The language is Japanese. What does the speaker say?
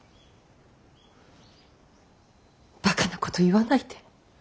ばかなこと言わないで。